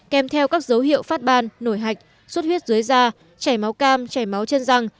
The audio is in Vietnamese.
kèm theo các dấu hiệu phát ban nổi hạch xuất huyết dưới da chảy máu cam chảy máu chân răng